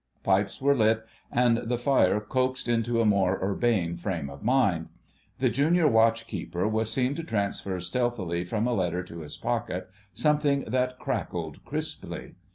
Pipes were lit, and the fire coaxed into a more urbane frame of mind. The Junior Watch keeper was seen to transfer stealthily from a letter to his pocket something that crackled crisply.